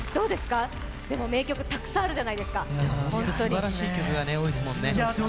すばらしい曲が多いですもんね。